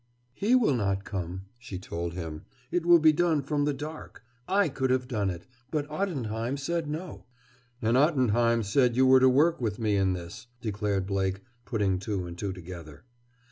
"He will not come," she told him. "It will be done from the dark. I could have done it. But Ottenheim said no." "And Ottenheim said you were to work with me in this," declared Blake, putting two and two together.